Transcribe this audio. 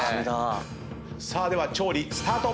さあでは調理スタート！